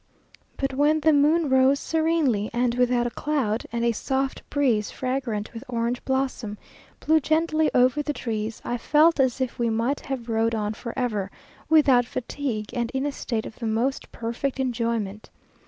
But when the moon rose serenely, and without a cloud, and a soft breeze, fragrant with orange blossom, blew gently over the trees, I felt as if we might have rode on for ever, without fatigue, and in a state of the most perfect enjoyment.